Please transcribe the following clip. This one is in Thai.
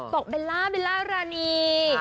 บอกเบลลล่าเบลลล่ารารี